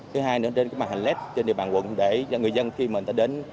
thứ hai nữa trên cái màn hình led trên địa bàn quận để người dân khi mà đến